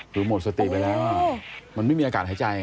คือหมดสติไปแล้วมันไม่มีอากาศหายใจ